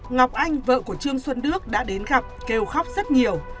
ngọc anh vợ của trương xuân đức đã đến gặp kêu khóc rất nhiều